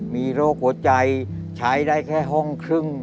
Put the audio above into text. มีโรคหัวใจใช้ได้แค่ห้องครึ่ง